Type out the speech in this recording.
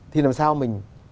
thì làm sao mình